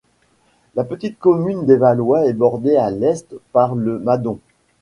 La petite commune des Vallois est bordée à l'est par le Madon.